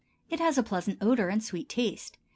It has a pleasant odor and sweet taste.